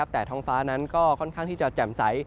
แต่ท้องฟ้านั้นก็ค่อนข้างที่จะแจ่มใส